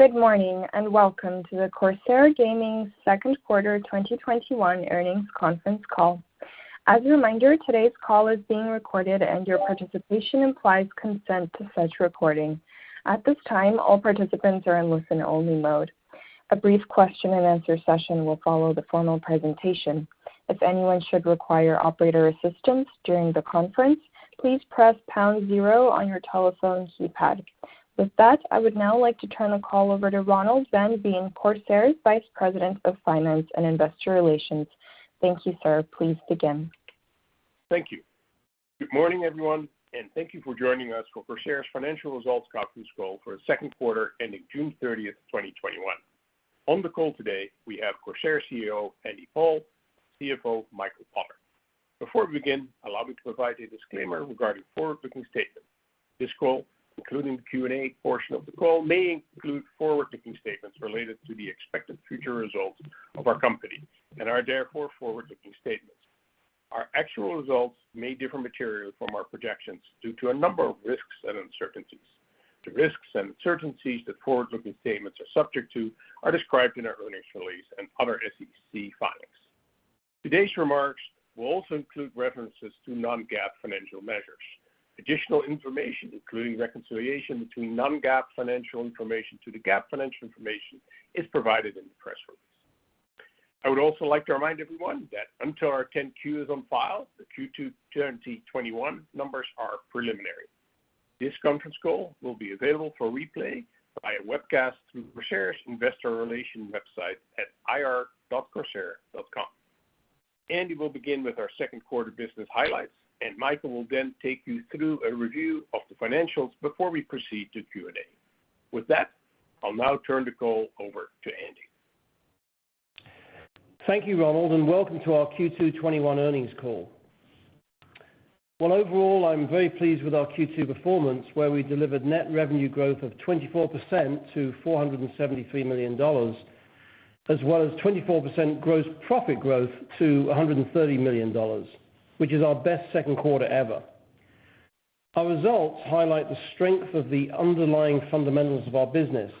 Good morning, welcome to the Corsair Gaming second quarter 2021 earnings conference call. As a reminder, today's call is being recorded and your participation implies consent to such recording. At this time, all participants are in listen only mode. A brief question and answer session will follow the formal presentation. With that, I would now like to turn the call over to Ronald van Veen, being Corsair's Vice President of Finance and Investor Relations. Thank you, sir. Please begin. Thank you. Good morning, everyone, and thank you for joining us for Corsair's financial results conference call for the second quarter ending June 30th, 2021. On the call today, we have Corsair CEO, Andy Paul, CFO, Michael Potter. Before we begin, allow me to provide a disclaimer regarding forward-looking statements. This call, including the Q&A portion of the call, may include forward-looking statements related to the expected future results of our company, and are therefore forward-looking statements. Our actual results may differ materially from our projections due to a number of risks and uncertainties. The risks and uncertainties that forward-looking statements are subject to are described in our earnings release and other SEC filings. Today's remarks will also include references to non-GAAP financial measures. Additional information, including reconciliation between non-GAAP financial information to the GAAP financial information, is provided in the press release. I would also like to remind everyone that until our 10-Q is on file, the Q2 2021 numbers are preliminary. This conference call will be available for replay via webcast through Corsair's investor relation website at ir.corsair.com. Andy will begin with our second quarter business highlights, and Michael will then take you through a review of the financials before we proceed to Q&A. With that, I'll now turn the call over to Andy. Thank you, Ronald, and welcome to our Q2 2021 earnings call. Overall, I'm very pleased with our Q2 performance, where we delivered net revenue growth of 24% to $473 million, as well as 24% gross profit growth to $130 million, which is our best second quarter ever. Our results highlight the strength of the underlying fundamentals of our business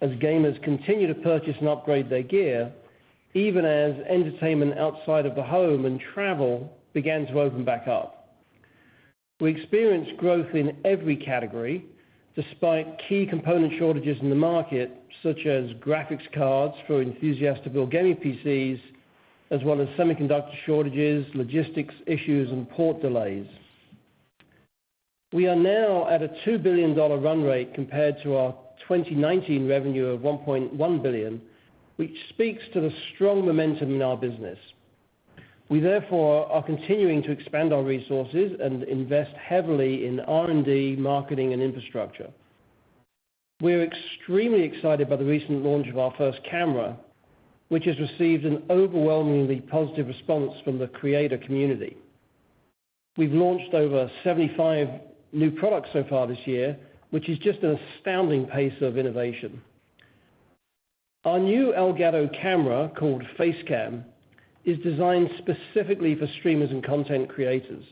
as gamers continue to purchase and upgrade their gear, even as entertainment outside of the home and travel began to open back up. We experienced growth in every category, despite key component shortages in the market, such as graphics cards for enthusiasts to build gaming PCs, as well as semiconductor shortages, logistics issues, and port delays. We are now at a $2 billion run rate compared to our 2019 revenue of $1.1 billion, which speaks to the strong momentum in our business. We are continuing to expand our resources and invest heavily in R&D, marketing, and infrastructure. We're extremely excited by the recent launch of our first camera, which has received an overwhelmingly positive response from the creator community. We've launched over 75 new products so far this year, which is just an astounding pace of innovation. Our new Elgato camera, called Facecam, is designed specifically for streamers and content creators,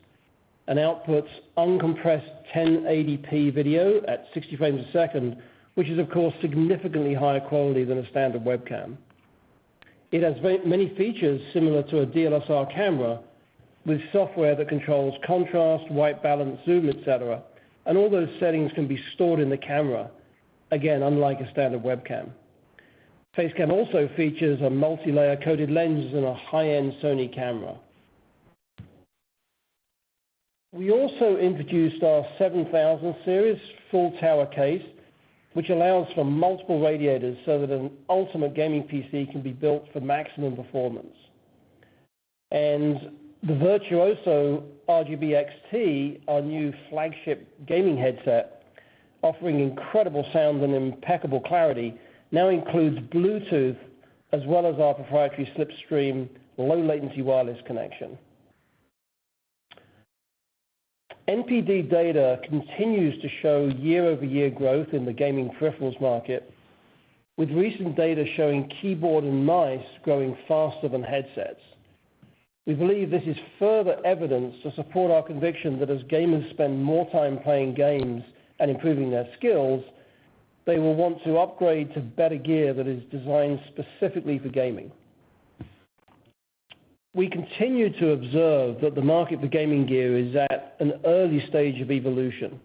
and outputs uncompressed 1080p video at 60 frames a second, which is, of course, significantly higher quality than a standard webcam. It has many features similar to a DSLR camera, with software that controls contrast, white balance, zoom, et cetera, and all those settings can be stored in the camera, again, unlike a standard webcam. Facecam also features a multilayer coated lens and a high-end Sony camera. We also introduced our 7000 Series full tower case, which allows for multiple radiators so that an ultimate gaming PC can be built for maximum performance. The Virtuoso RGB XT, our new flagship gaming headset, offering incredible sound and impeccable clarity, now includes Bluetooth as well as our proprietary Slipstream low latency wireless connection. NPD data continues to show year-over-year growth in the gaming peripherals market, with recent data showing keyboard and mice growing faster than headsets. We believe this is further evidence to support our conviction that as gamers spend more time playing games and improving their skills, they will want to upgrade to better gear that is designed specifically for gaming. We continue to observe that the market for gaming gear is at an early stage of evolution.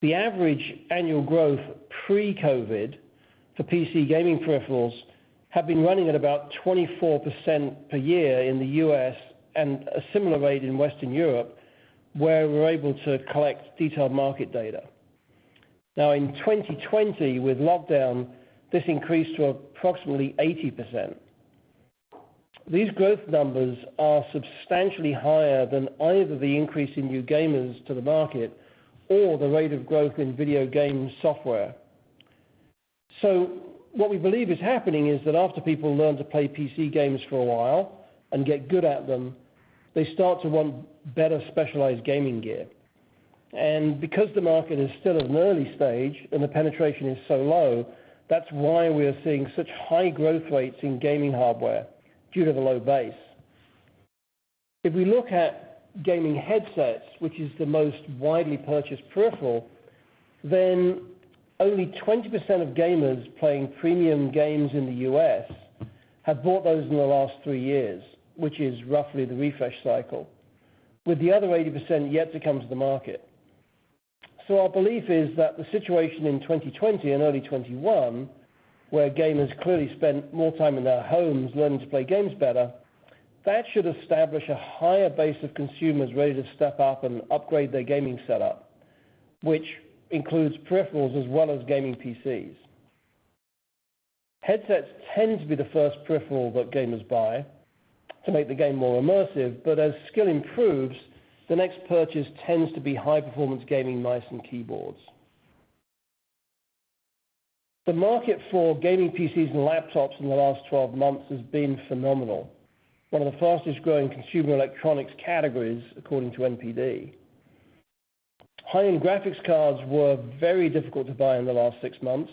The average annual growth pre-COVID for PC gaming peripherals have been running at about 24% per year in the U.S., and a similar rate in Western Europe, where we're able to collect detailed market data. In 2020, with lockdown, this increased to approximately 80%. These growth numbers are substantially higher than either the increase in new gamers to the market or the rate of growth in video game software. What we believe is happening is that after people learn to play PC games for a while and get good at them, they start to want better specialized gaming gear. Because the market is still at an early stage and the penetration is so low, that's why we are seeing such high growth rates in gaming hardware, due to the low base. If we look at gaming headsets, which is the most widely purchased peripheral, then only 20% of gamers playing premium games in the U.S. have bought those in the last three years, which is roughly the refresh cycle, with the other 80% yet to come to the market. Our belief is that the situation in 2020 and early 2021, where gamers clearly spent more time in their homes learning to play games better, that should establish a higher base of consumers ready to step up and upgrade their gaming setup, which includes peripherals as well as gaming PCs. Headsets tend to be the first peripheral that gamers buy to make the game more immersive, but as skill improves, the next purchase tends to be high-performance gaming mice and keyboards. The market for gaming PCs and laptops in the last 12 months has been phenomenal. One of the fastest-growing consumer electronics categories according to NPD. High-end graphics cards were very difficult to buy in the last six months,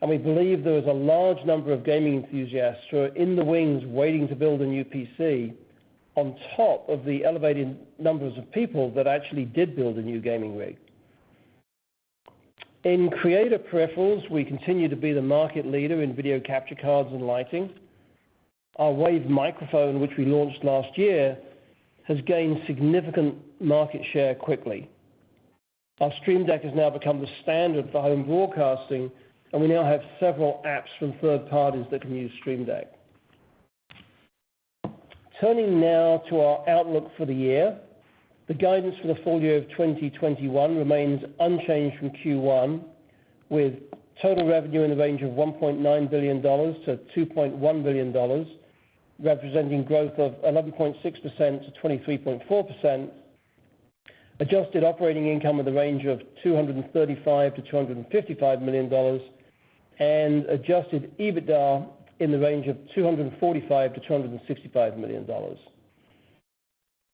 and we believe there was a large number of gaming enthusiasts who are in the wings waiting to build a new PC on top of the elevated numbers of people that actually did build a new gaming rig. In creator peripherals, we continue to be the market leader in video capture cards and lighting. Our Wave microphone, which we launched last year, has gained significant market share quickly. Our Stream Deck has now become the standard for home broadcasting, and we now have several apps from third parties that can use Stream Deck. Turning now to our outlook for the year. The guidance for the full year of 2021 remains unchanged from Q1, with total revenue in the range of $1.9 billion-$2.1 billion, representing growth of 11.6%-23.4%. Adjusted operating income in the range of $235 million-$255 million and adjusted EBITDA in the range of $245 million-$265 million.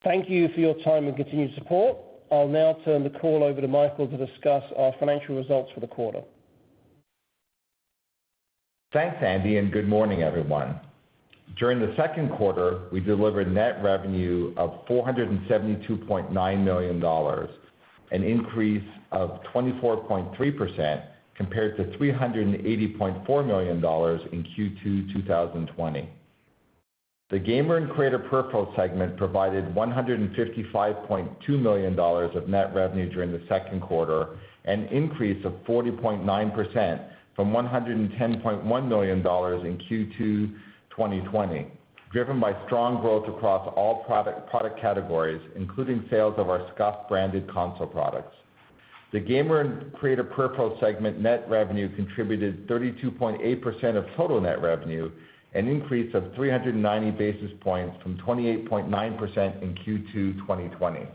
Thank you for your time and continued support. I'll now turn the call over to Michael to discuss our financial results for the quarter. Thanks, Andy, good morning, everyone. During the second quarter, we delivered net revenue of $472.9 million, an increase of 24.3% compared to $380.4 million in Q2 2020. The Gamer and Creator Peripherals segment provided $155.2 million of net revenue during the second quarter, an increase of 40.9% from $110.1 million in Q2 2020, driven by strong growth across all product categories, including sales of our SCUF-branded console products. The Gamer and Creator Peripherals segment net revenue contributed 32.8% of total net revenue, an increase of 390 basis points from 28.9% in Q2 2020.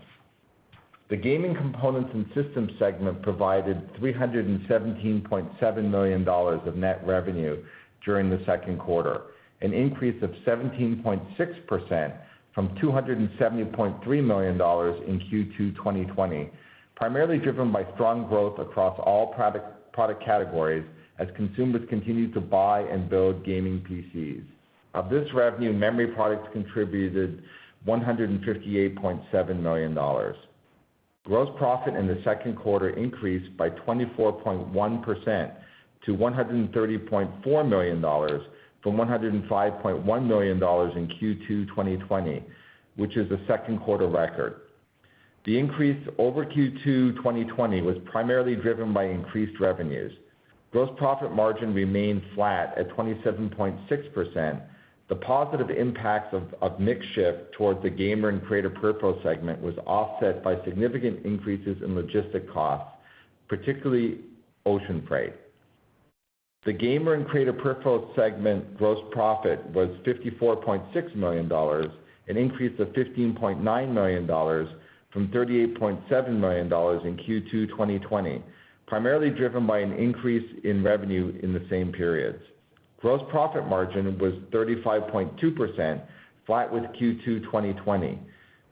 The Gaming Components and Systems segment provided $317.7 million of net revenue during the second quarter, an increase of 17.6% from $270.3 million in Q2 2020, primarily driven by strong growth across all product categories as consumers continued to buy and build gaming PCs. Of this revenue, memory products contributed $158.7 million. Gross profit in the second quarter increased by 24.1% to $130.4 million from $105.1 million in Q2 2020, which is a second quarter record. The increase over Q2 2020 was primarily driven by increased revenues. Gross profit margin remained flat at 27.6%. The positive impacts of mix shift towards the Gamer and Creator Peripherals segment was offset by significant increases in logistic costs, particularly ocean freight. The Gamer and Creator Peripherals segment gross profit was $54.6 million, an increase of $15.9 million from $38.7 million in Q2 2020, primarily driven by an increase in revenue in the same periods. Gross profit margin was 35.2%, flat with Q2 2020.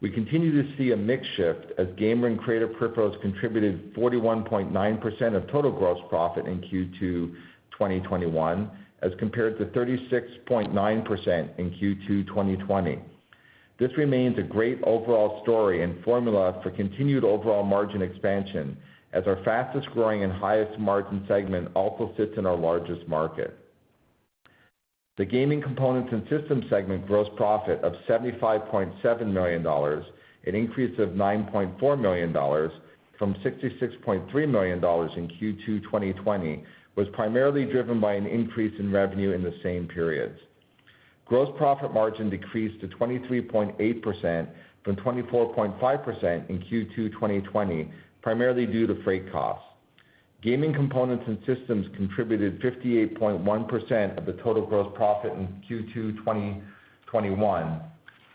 We continue to see a mix shift as Gamer and Creator Peripherals contributed 41.9% of total gross profit in Q2 2021 as compared to 36.9% in Q2 2020. This remains a great overall story and formula for continued overall margin expansion as our fastest-growing and highest margin segment also sits in our largest market. The Gaming Components and Systems segment gross profit of $75.7 million, an increase of $9.4 million from $66.3 million in Q2 2020, was primarily driven by an increase in revenue in the same periods. Gross profit margin decreased to 23.8% from 24.5% in Q2 2020, primarily due to freight costs. Gaming Components and Systems contributed 58.1% of the total gross profit in Q2 2021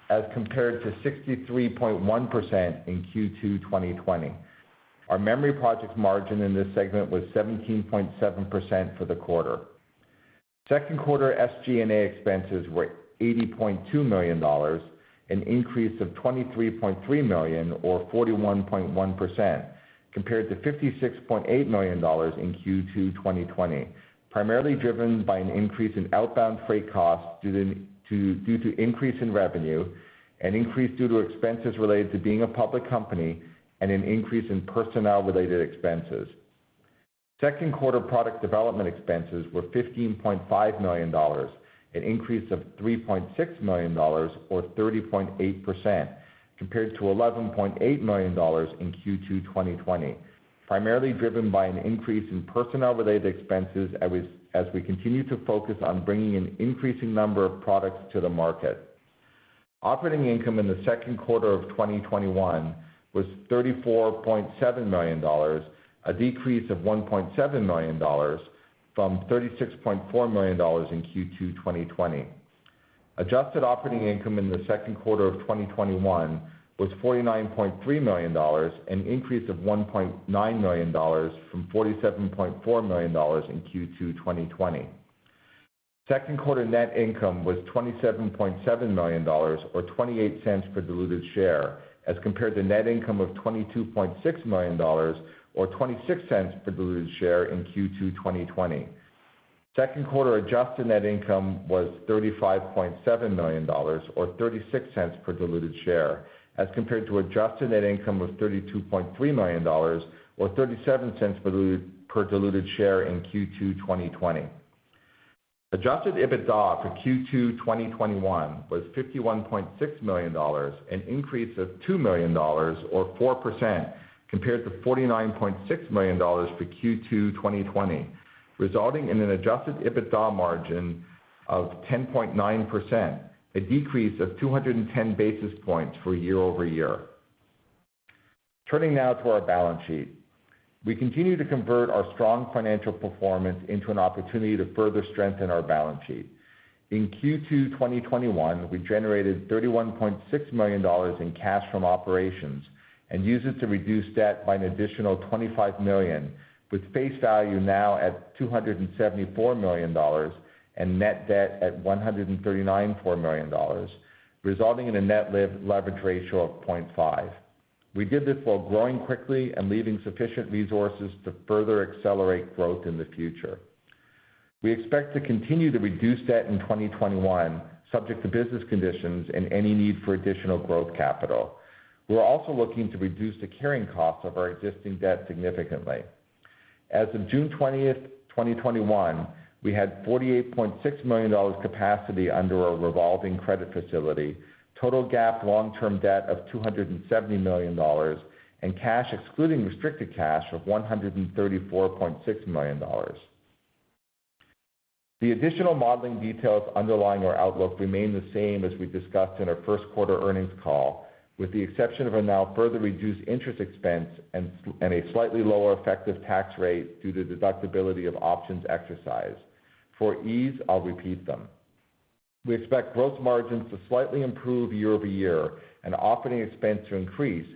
as compared to 63.1% in Q2 2020. Our memory products margin in this segment was 17.7% for the quarter. Second quarter SG&A expenses were $80.2 million, an increase of $23.3 million or 41.1%, compared to $56.8 million in Q2 2020, primarily driven by an increase in outbound freight costs due to increase in revenue, an increase due to expenses related to being a public company, and an increase in personnel-related expenses. Second quarter product development expenses were $15.5 million, an increase of $3.6 million or 30.8%, compared to $11.8 million in Q2 2020, primarily driven by an increase in personnel-related expenses as we continue to focus on bringing an increasing number of products to the market. Operating income in the second quarter of 2021 was $34.7 million, a decrease of $1.7 million from $36.4 million in Q2 2020. Adjusted operating income in the second quarter of 2021 was $49.3 million, an increase of $1.9 million from $47.4 million in Q2 2020. Second quarter net income was $27.7 million or $0.28 per diluted share, as compared to net income of $22.6 million or $0.26 per diluted share in Q2 2020. Second quarter adjusted net income was $35.7 million or $0.36 per diluted share, as compared to adjusted net income of $32.3 million or $0.37 per diluted share in Q2 2020. Adjusted EBITDA for Q2 2021 was $51.6 million, an increase of $2 million or 4%, compared to $49.6 million for Q2 2020, resulting in an adjusted EBITDA margin of 10.9%, a decrease of 210 basis points for year-over-year. Turning now to our balance sheet. We continue to convert our strong financial performance into an opportunity to further strengthen our balance sheet. In Q2 2021, we generated $31.6 million in cash from operations and used it to reduce debt by an additional $25 million, with face value now at $274 million and net debt at $1,394 million, resulting in a net leverage ratio of 0.5. We did this while growing quickly and leaving sufficient resources to further accelerate growth in the future. We expect to continue to reduce debt in 2021, subject to business conditions and any need for additional growth capital. We are also looking to reduce the carrying cost of our existing debt significantly. As of June 20th 2021, we had $48.6 million capacity under our revolving credit facility, total GAAP long-term debt of $270 million, and cash excluding restricted cash of $134.6 million. The additional modeling details underlying our outlook remain the same as we discussed in our first quarter earnings call, with the exception of a now further reduced interest expense and a slightly lower effective tax rate due to deductibility of options exercised. For ease, I'll repeat them. We expect gross margins to slightly improve year-over-year and operating expense to increase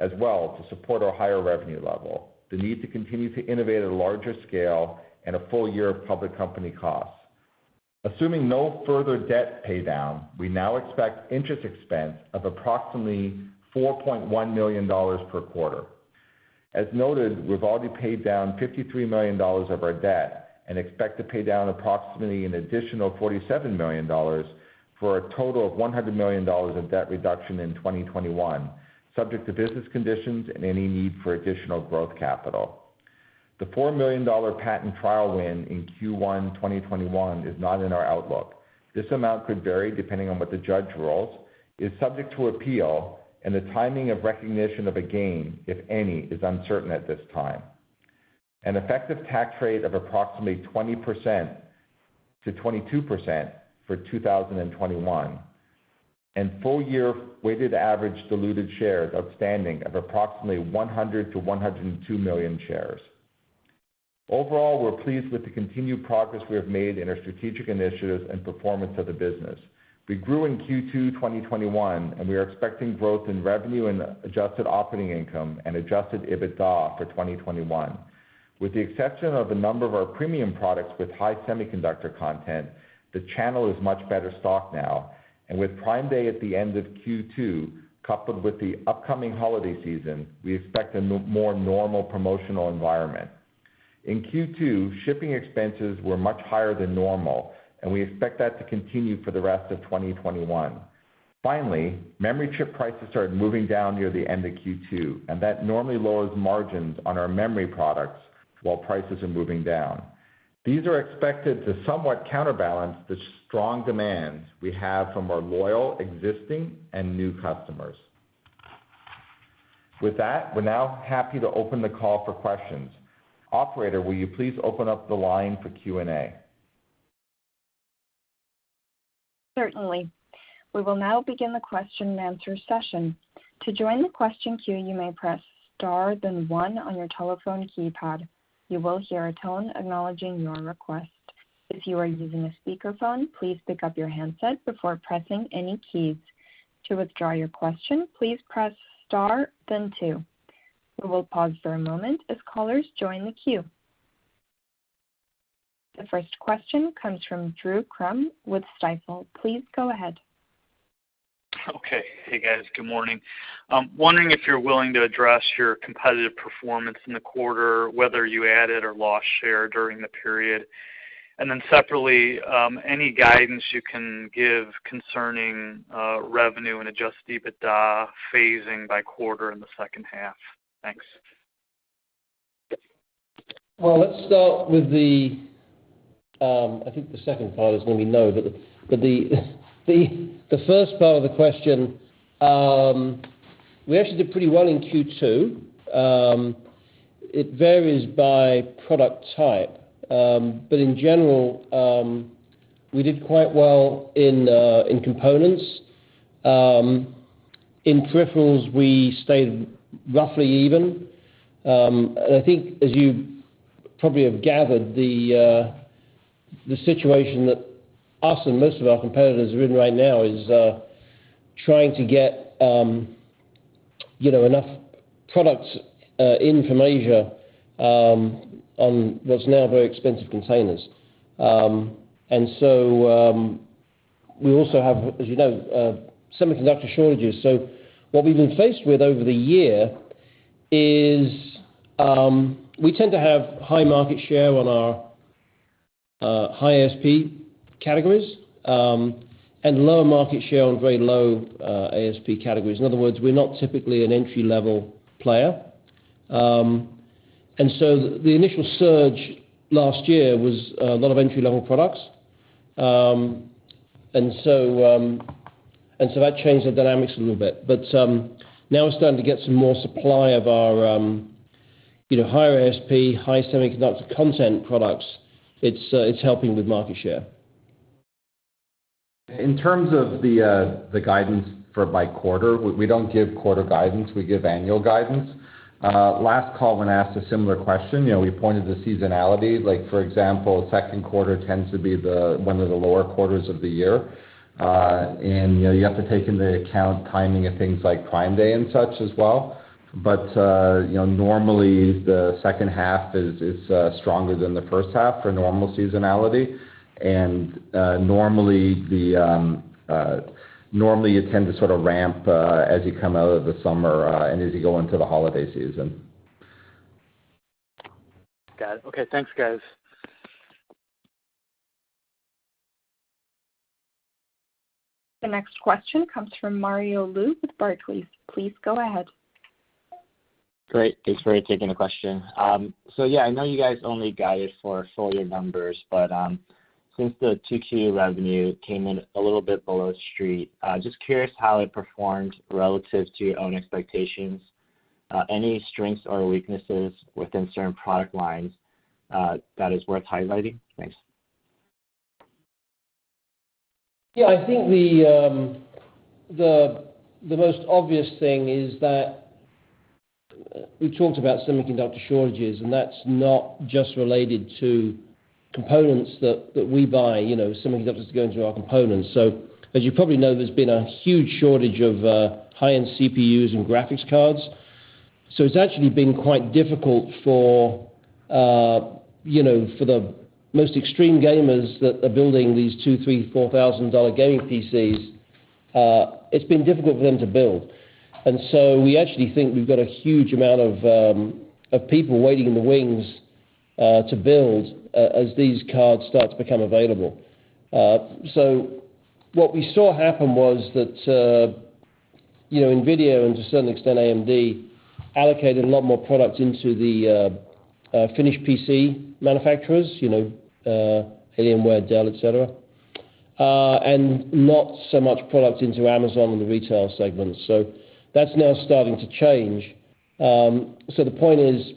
as well to support our higher revenue level, the need to continue to innovate at a larger scale, and a full year of public company costs. Assuming no further debt paydown, we now expect interest expense of approximately $4.1 million per quarter. As noted, we've already paid down $53 million of our debt and expect to pay down approximately an additional $47 million for a total of $100 million of debt reduction in 2021, subject to business conditions and any need for additional growth capital. The $4 million patent trial win in Q1 2021 is not in our outlook. This amount could vary depending on what the judge rules, is subject to appeal, and the timing of recognition of a gain, if any, is uncertain at this time. An effective tax rate of approximately 20%-22% for 2021, and full year weighted average diluted shares outstanding of approximately 100 million-102 million shares. Overall, we're pleased with the continued progress we have made in our strategic initiatives and performance of the business. We grew in Q2 2021. We are expecting growth in revenue and adjusted operating income and adjusted EBITDA for 2021. With the exception of a number of our premium products with high semiconductor content, the channel is much better stocked now. With Prime Day at the end of Q2, coupled with the upcoming holiday season, we expect a more normal promotional environment. In Q2, shipping expenses were much higher than normal, and we expect that to continue for the rest of 2021. Finally, memory chip prices started moving down near the end of Q2, and that normally lowers margins on our memory products while prices are moving down. These are expected to somewhat counterbalance the strong demand we have from our loyal existing and new customers. With that, we're now happy to open the call for questions. Operator, will you please open up the line for Q&A? Certainly. We will now begin the question and answer session. We will pause for a moment as callers join the queue. The first question comes from Drew Crum with Stifel. Please go ahead. Okay. Hey, guys. Good morning. I'm wondering if you're willing to address your competitive performance in the quarter, whether you added or lost share during the period. Separately, any guidance you can give concerning revenue and adjusted EBITDA phasing by quarter in the second half. Thanks. Well, let's start with the, I think the second part is one we know, but the first part of the question, we actually did pretty well in Q2. It varies by product type. In general, we did quite well in components. In peripherals, we stayed roughly even. I think as you probably have gathered, the situation that us and most of our competitors are in right now is trying to get enough products in from Asia on what's now very expensive containers. We also have, as you know, semiconductor shortages. What we've been faced with over the year is, we tend to have high market share on our high ASP categories, and lower market share on very low ASP categories. In other words, we're not typically an entry-level player. The initial surge last year was a lot of entry-level products. That changed the dynamics a little bit. Now we're starting to get some more supply of our higher ASP, high semiconductor content products. It's helping with market share. In terms of the guidance for by quarter, we don't give quarter guidance, we give annual guidance. Last call, when asked a similar question, we pointed to seasonality. Like for example, second quarter tends to be one of the lower quarters of the year. You have to take into account timing of things like Prime Day and such as well. Normally, the second half is stronger than the first half for normal seasonality. Normally, you tend to sort of ramp as you come out of the summer and as you go into the holiday season. Got it. Okay, thanks, guys. The next question comes from Mario Lu with Barclays. Please go ahead. Great. Thanks for taking the question. Yeah, I know you guys only guide us for full year numbers, but since the 2Q revenue came in a little bit below Street, just curious how it performed relative to your own expectations. Any strengths or weaknesses within certain product lines that is worth highlighting? Thanks. Yeah, I think the most obvious thing is that we talked about semiconductor shortages, and that's not just related to components that we buy, semiconductors that are going into our components. As you probably know, there's been a huge shortage of high-end CPUs and graphics cards. It's actually been quite difficult for the most extreme gamers that are building these $2,000, $3,000, $4,000 gaming PCs. It's been difficult for them to build. We actually think we've got a huge amount of people waiting in the wings to build as these cards start to become available. What we saw happen was that NVIDIA, and to a certain extent AMD, allocated a lot more product into the finished PC manufacturers, Alienware, Dell, et cetera, and not so much product into Amazon and the retail segments. That's now starting to change. The point is,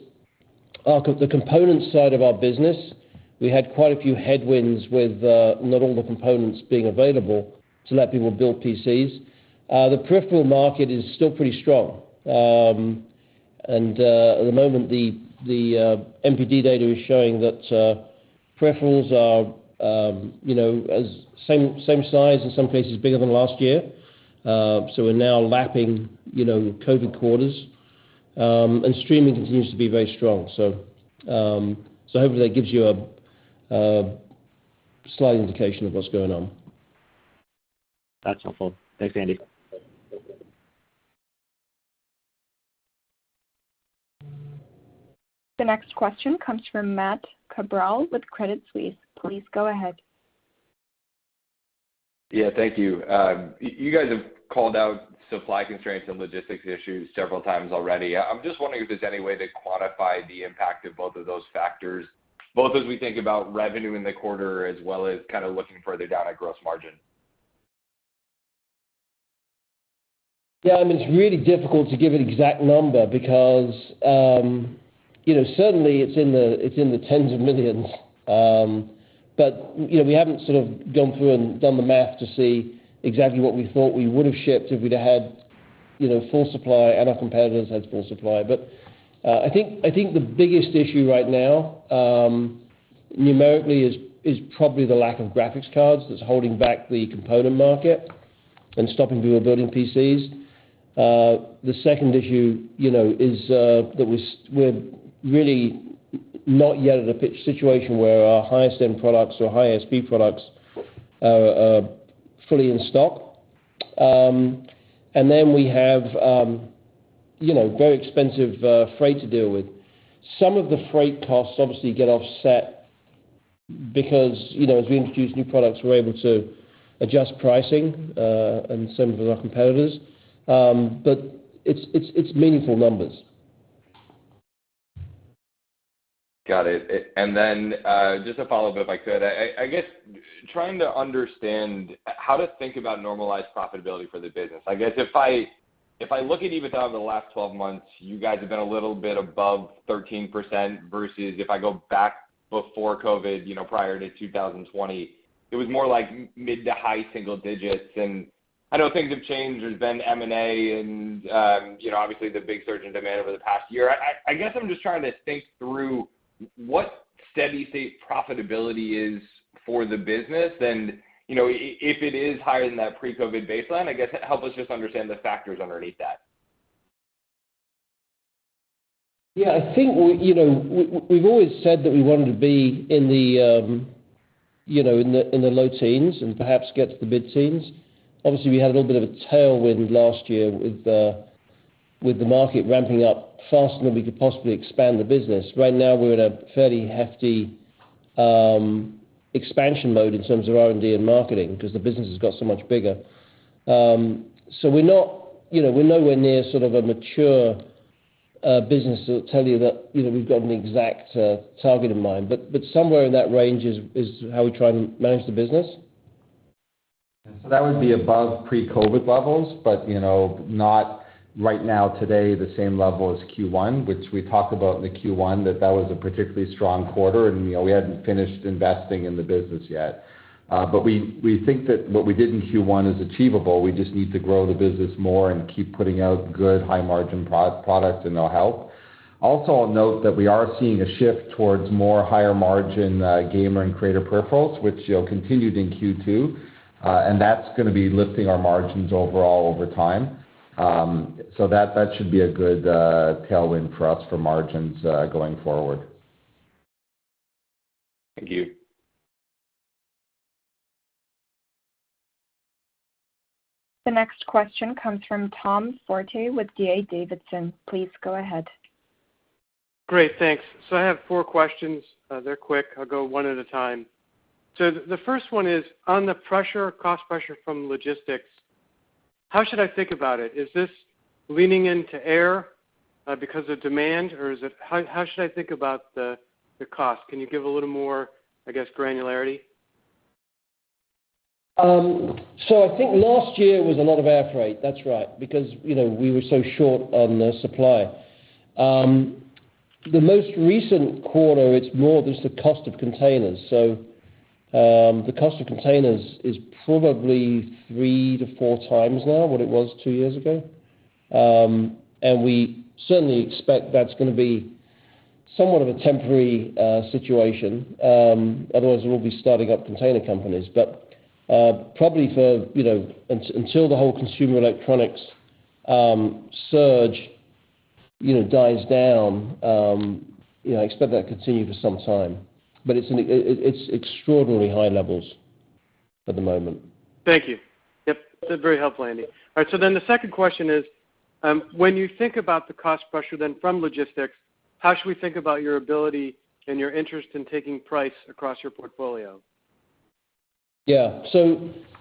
the components side of our business, we had quite a few headwinds with not all the components being available to let people build PCs. The peripheral market is still pretty strong. At the moment, the NPD data is showing that peripherals are same size, in some cases bigger than last year. We're now lapping COVID quarters. Streaming continues to be very strong. Hopefully that gives you a slight indication of what's going on. That's helpful. Thanks, Andy. The next question comes from Matt Cabral with Credit Suisse. Please go ahead. Yeah, thank you. You guys have called out supply constraints and logistics issues several times already. I'm just wondering if there's any way to quantify the impact of both of those factors, both as we think about revenue in the quarter as well as kind of looking further down at gross margin. I mean, it's really difficult to give an exact number because certainly it's in the tens of millions. We haven't sort of gone through and done the math to see exactly what we thought we would have shipped if we'd have had full supply and our competitors had full supply. I think the biggest issue right now, numerically, is probably the lack of graphics cards that's holding back the component market and stopping people building PCs. The second issue is that we're really not yet at a situation where our highest-end products or highest speed products are fully in stock. We have very expensive freight to deal with. Some of the freight costs obviously get offset because, as we introduce new products, we're able to adjust pricing, and so do our competitors. It's meaningful numbers. Got it. Just a follow-up, if I could. I guess, trying to understand how to think about normalized profitability for the business. I guess if I look at even throughout the last 12 months, you guys have been a little bit above 13%, versus if I go back before COVID, prior to 2020, it was more like mid to high single digits. I know things have changed. There's been M&A and obviously the big surge in demand over the past year. I guess I'm just trying to think through what steady state profitability is for the business. If it is higher than that pre-COVID baseline, I guess help us just understand the factors underneath that. Yeah, I think we've always said that we wanted to be in the low teens and perhaps get to the mid-teens. Obviously, we had a little bit of a tailwind last year with the market ramping up faster than we could possibly expand the business. Right now, we're in a fairly hefty expansion mode in terms of R&D and marketing because the business has got so much bigger. We're nowhere near sort of a mature business that will tell you that we've got an exact target in mind, but somewhere in that range is how we try and manage the business. That would be above pre-COVID levels, but not right now today the same level as Q1, which we talk about in the Q1 that was a particularly strong quarter and we hadn't finished investing in the business yet. We think that what we did in Q1 is achievable. We just need to grow the business more and keep putting out good high-margin products and that will help. I'll note that we are seeing a shift towards more higher margin Gamer and Creator Peripherals, which continued in Q2. That's going to be lifting our margins overall over time. That should be a good tailwind for us for margins going forward. Thank you. The next question comes from Tom Forte with D.A. Davidson. Please go ahead. Great. Thanks. I have four questions. They're quick. I'll go one at a time. The first one is, on the cost pressure from logistics, how should I think about it? Is this leaning into air because of demand, or how should I think about the cost? Can you give a little more granularity? I think last year was a lot of air freight, that's right, because we were so short on supply. The most recent quarter, it's more just the cost of containers. The cost of containers is probably 3-4 times now what it was two years ago. We certainly expect that's going to be somewhat of a temporary situation. Otherwise, we'll all be starting up container companies. Probably until the whole consumer electronics surge dies down, I expect that to continue for some time. It's extraordinarily high levels at the moment. Thank you. Yep. That's very helpful, Andy. All right. The second question is, when you think about the cost pressure then from logistics, how should we think about your ability and your interest in taking price across your portfolio? Yeah.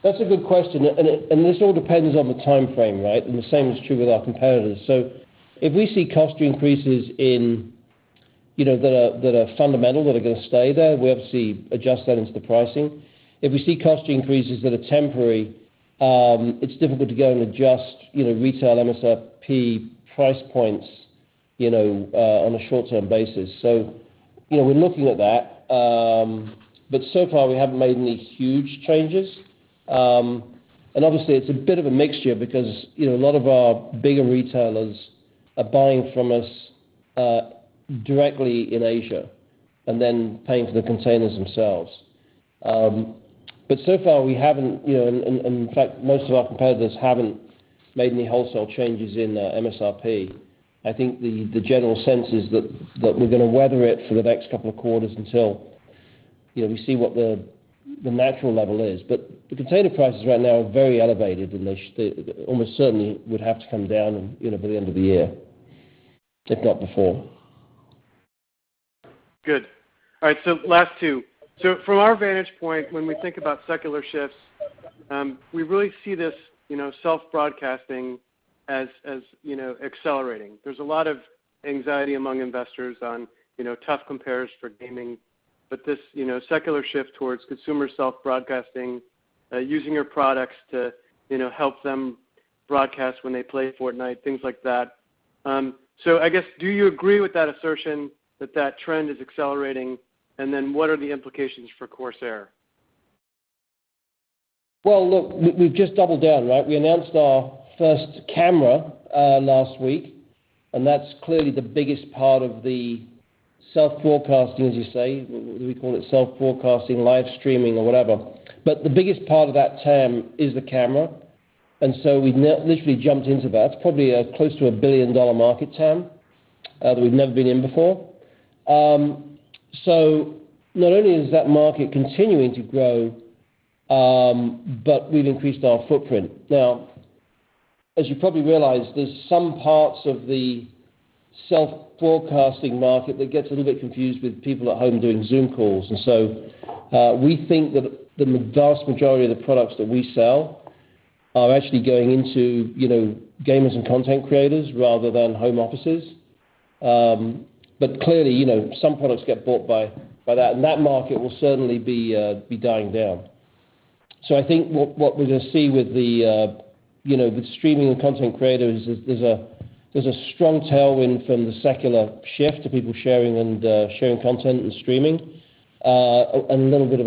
That's a good question, and this all depends on the timeframe, right? The same is true with our competitors. If we see cost increases that are fundamental, that are going to stay there, we obviously adjust that into the pricing. If we see cost increases that are temporary, it's difficult to go and adjust retail MSRP price points on a short-term basis. We're looking at that. So far we haven't made any huge changes. Obviously it's a bit of a mixture because a lot of our bigger retailers are buying from us directly in Asia and then paying for the containers themselves. So far we haven't, and in fact most of our competitors haven't made any wholesale changes in their MSRP. I think the general sense is that we're going to weather it for the next couple of quarters until we see what the natural level is. The container prices right now are very elevated and they almost certainly would have to come down by the end of the year, if not before. Good. All right, last two. From our vantage point, when we think about secular shifts, we really see this self-broadcasting as accelerating. There's a lot of anxiety among investors on tough compares for gaming, but this secular shift towards consumer self-broadcasting, using your products to help them broadcast when they play Fortnite, things like that. I guess, do you agree with that assertion that that trend is accelerating, and then what are the implications for Corsair? Well, look, we've just doubled down, right? We announced our first camera last week. That's clearly the biggest part of self-broadcasting, as you say, we call it self-broadcasting, live streaming, or whatever. The biggest part of that TAM is the camera. We've literally jumped into that. It's probably close to a billion-dollar market TAM that we've never been in before. Not only is that market continuing to grow, but we've increased our footprint. Now, as you probably realize, there's some parts of the self-broadcasting market that gets a little bit confused with people at home doing Zoom calls. We think that the vast majority of the products that we sell are actually going into gamers and content creators rather than home offices. Clearly, some products get bought by that, and that market will certainly be dying down. I think what we're going to see with streaming and content creators is there's a strong tailwind from the secular shift to people sharing and sharing content and streaming, and a little bit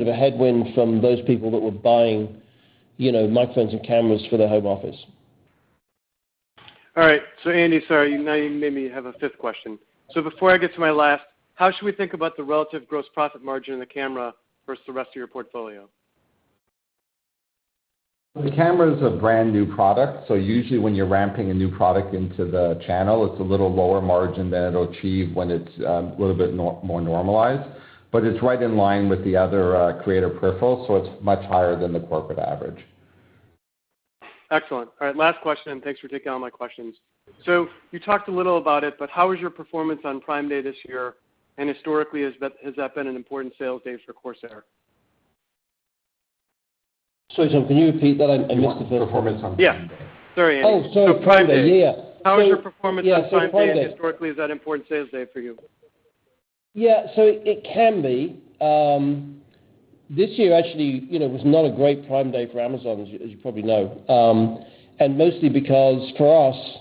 of a headwind from those people that were buying microphones and cameras for their home office. All right. Andy, sorry, now you made me have a fifth question. Before I get to my last, how should we think about the relative gross profit margin in the camera versus the rest of your portfolio? The camera's a brand-new product, so usually when you're ramping a new product into the channel, it's a little lower margin than it'll achieve when it's a little bit more normalized. It's right in line with the other creator peripherals, so it's much higher than the corporate average. Excellent. All right, last question. Thanks for taking all my questions. You talked a little about it. How was your performance on Prime Day this year? Historically, has that been an important sales day for Corsair? Sorry, Tom, can you repeat that? Yeah. performance on Prime Day. Sorry, Andy. Oh, sorry. Prime Day. Yeah. How was your performance on Prime Day? Yeah, Prime Day. Historically, is that an important sales day for you? Yeah, it can be. This year actually was not a great Prime Day for Amazon, as you probably know. Mostly because for us,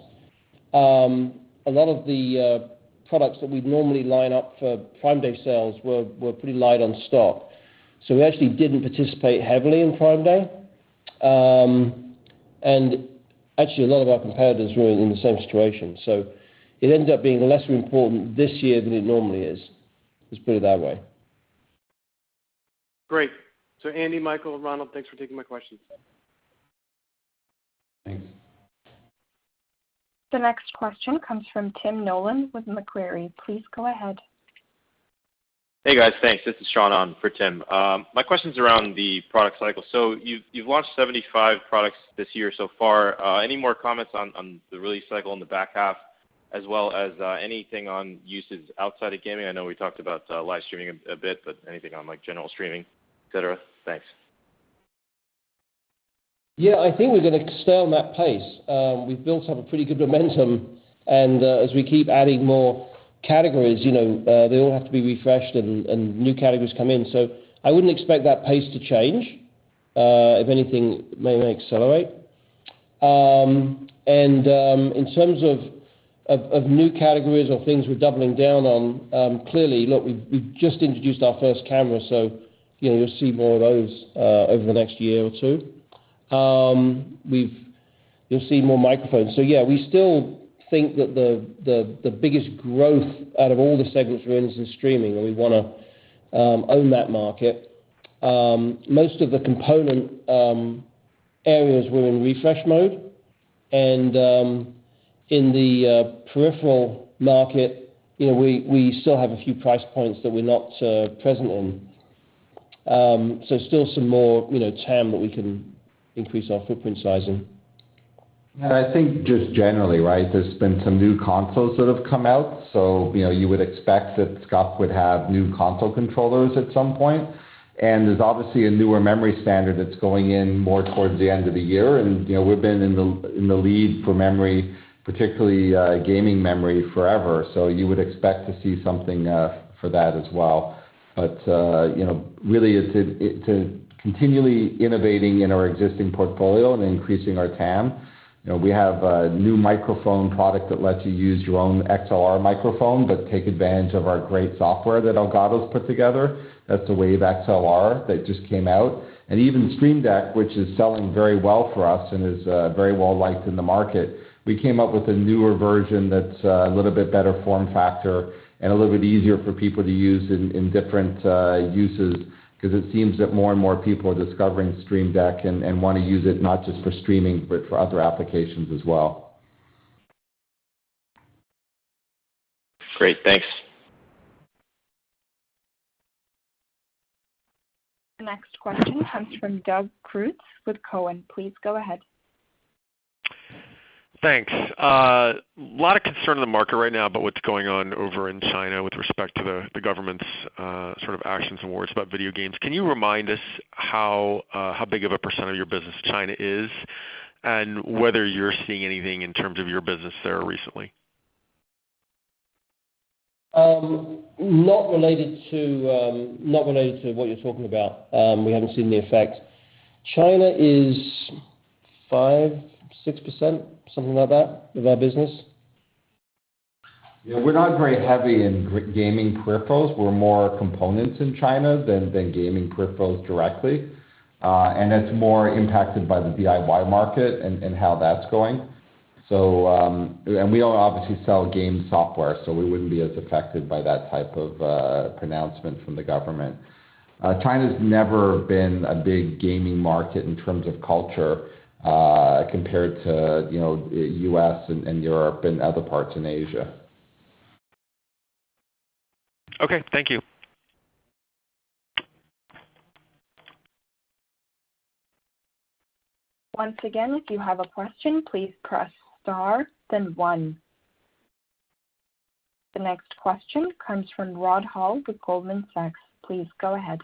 a lot of the products that we'd normally line up for Prime Day sales were pretty light on stock. We actually didn't participate heavily in Prime Day. Actually, a lot of our competitors were in the same situation, it ended up being less important this year than it normally is. Let's put it that way. Great. Andy, Michael, Ronald, thanks for taking my questions. Thanks. The next question comes from Tim Nollen with Macquarie. Please go ahead. Hey, guys. Thanks. This is Shan on for Tim. My question's around the product cycle. You've launched 75 products this year so far. Any more comments on the release cycle in the back half as well as anything on uses outside of gaming? I know we talked about live streaming a bit, but anything on general streaming, et cetera? Thanks. Yeah, I think we're going to stay on that pace. We've built up a pretty good momentum and as we keep adding more categories, they all have to be refreshed and new categories come in. I wouldn't expect that pace to change. If anything, it may accelerate. In terms of new categories or things we're doubling down on, clearly, look, we've just introduced our first camera, so you'll see more of those over the next year or two. You'll see more microphones. Yeah, we still think that the biggest growth out of all the segments for us is streaming, and we want to own that market. Most of the component areas, we're in refresh mode, and in the peripheral market, we still have a few price points that we're not present in. Still some more TAM that we can increase our footprint size in. I think just generally, there's been some new consoles that have come out, so you would expect that SCUF would have new console controllers at some point. There's obviously a newer memory standard that's going in more towards the end of the year, and we've been in the lead for memory, particularly gaming memory, forever. You would expect to see something for that as well. Really, to continually innovating in our existing portfolio and increasing our TAM, we have a new microphone product that lets you use your own XLR microphone, but take advantage of our great software that Elgato's put together. That's the Wave XLR that just came out. Even Stream Deck, which is selling very well for us and is very well-liked in the market, we came up with a newer version that's a little bit better form factor and a little bit easier for people to use in different uses because it seems that more and more people are discovering Stream Deck and want to use it not just for streaming, but for other applications as well. Great. Thanks. The next question comes from Doug Creutz with Cowen. Please go ahead. Thanks. Lot of concern in the market right now about what's going on over in China with respect to the government's actions and words about video games. Can you remind us how big of a percent of your business China is and whether you're seeing anything in terms of your business there recently? Not related to what you're talking about. We haven't seen the effect. China is 5%, 6%, something like that, of our business. Yeah, we're not very heavy in gaming peripherals. We're more components in China than gaming peripherals directly. That's more impacted by the DIY market and how that's going. We don't obviously sell game software, so we wouldn't be as affected by that type of pronouncement from the government. China's never been a big gaming market in terms of culture compared to U.S. and Europe and other parts in Asia. Okay. Thank you. The next question comes from Rod Hall with Goldman Sachs. Please go ahead.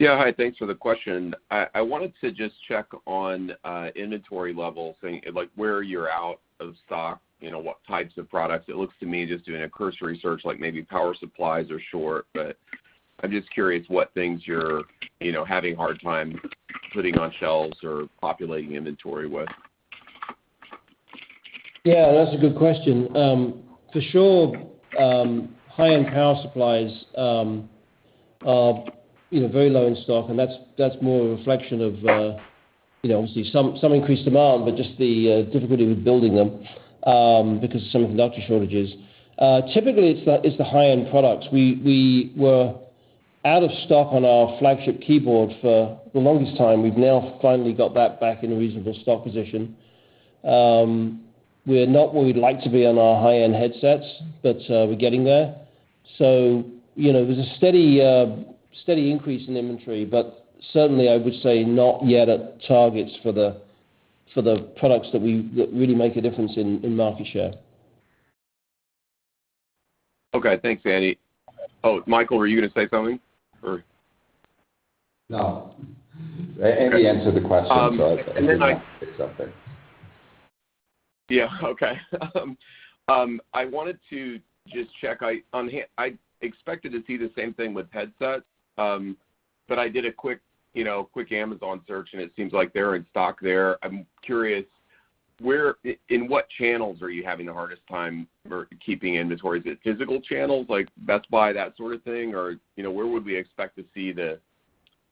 Yeah. Hi. Thanks for the question. I wanted to just check on inventory levels and where you're out of stock, what types of products. It looks to me, just doing a cursory search, like maybe power supplies are short, but I'm just curious what things you're having a hard time putting on shelves or populating inventory with. That's a good question. For sure, high-end power supplies are very low in stock, and that's more a reflection of, obviously, some increased demand, but just the difficulty with building them, because of semiconductor shortages. Typically, it's the high-end products. We were out of stock on our flagship keyboard for the longest time. We've now finally got that back in a reasonable stock position. We're not where we'd like to be on our high-end headsets, but we're getting there. There's a steady increase in inventory, but certainly I would say not yet at targets for the products that really make a difference in market share. Okay. Thanks, Andy. Oh, Michael, were you going to say something? No. Andy answered the question, so I didn't need to say something. Okay. I wanted to just check. I expected to see the same thing with headsets, but I did a quick Amazon search, and it seems like they're in stock there. I'm curious, in what channels are you having the hardest time for keeping inventory? Is it physical channels, like Best Buy, that sort of thing? Where would we expect to see the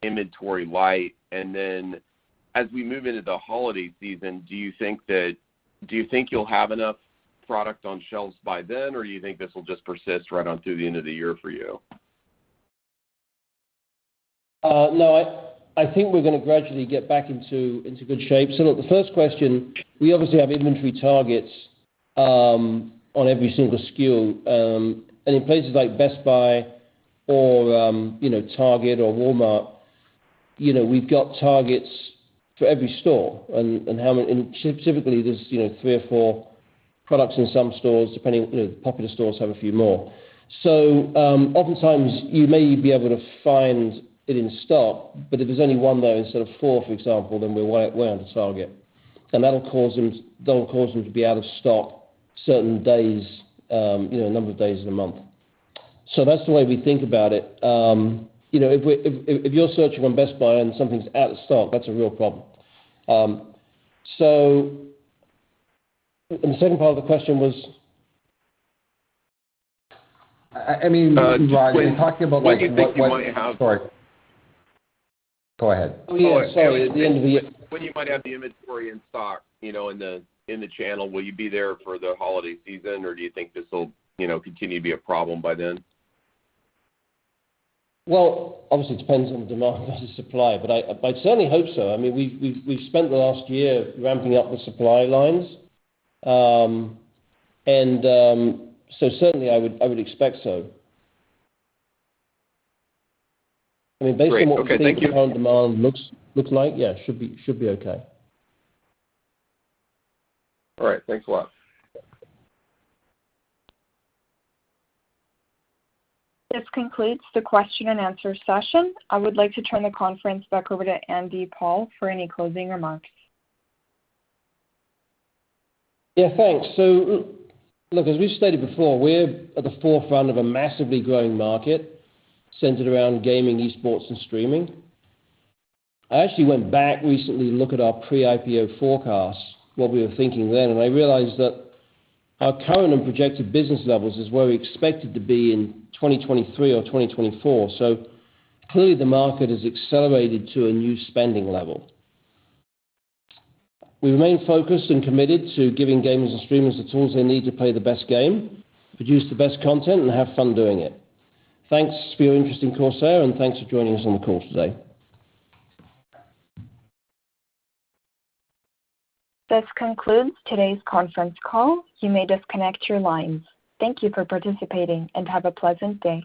inventory light? Then as we move into the holiday season, do you think you'll have enough product on shelves by then, or do you think this will just persist right on through the end of the year for you? No. I think we're going to gradually get back into good shape. Look, the first question, we obviously have inventory targets on every single SKU. In places like Best Buy or Target or Walmart, we've got targets for every store. Typically, there's three or four products in some stores. Popular stores have a few more. Oftentimes, you may be able to find it in stock, but if there's only 1 there instead of 4, for example, then we're under target. That'll cause them to be out of stock certain days, a number of days in a month. That's the way we think about it. If you're searching on Best Buy and something's out of stock, that's a real problem. The second part of the question was? You talked about like what. When you think you might have. Sorry. Go ahead. Sorry. When you might have the inventory in stock in the channel, will you be there for the holiday season, or do you think this will continue to be a problem by then? Well, obviously, it depends on the demand versus supply. I certainly hope so. We've spent the last year ramping up the supply lines. Certainly, I would expect so. Great. Okay. Thank you. We think the current demand looks like, yeah, should be okay. All right. Thanks a lot. This concludes the question and answer session. I would like to turn the conference back over to Andy Paul for any closing remarks. Yeah, thanks. Look, as we've stated before, we're at the forefront of a massively growing market centered around gaming, esports, and streaming. I actually went back recently to look at our pre-IPO forecasts, what we were thinking then, and I realized that our current and projected business levels is where we expected to be in 2023 or 2024. Clearly the market has accelerated to a new spending level. We remain focused and committed to giving gamers and streamers the tools they need to play the best game, produce the best content, and have fun doing it. Thanks for your interest in Corsair, and thanks for joining us on the call today. This concludes today's conference call. You may disconnect your lines. Thank you for participating, and have a pleasant day.